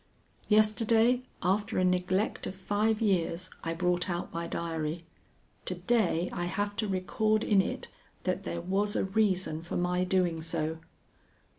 Yesterday, after a neglect of five years, I brought out my diary. To day I have to record in it that there was a reason for my doing so.